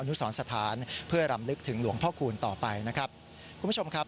นุสรสถานเพื่อรำลึกถึงหลวงพ่อคูณต่อไปนะครับคุณผู้ชมครับ